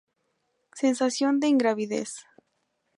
Sensación de ingravidez.